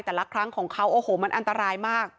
แต่ละครั้งของเขาโอ้โหมันอันตรายมาก